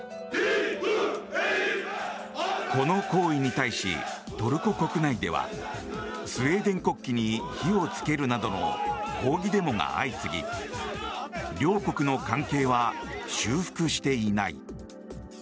この行為に対し、トルコ国内ではスウェーデン国旗に火を付けるなどの抗議デモが相次ぎ両国の関係は修復していない。